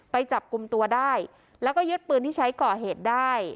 ไปจับกลุ่มตัวได้แล้วก็ยึดปืนที่ใช้ก่อเหตุได้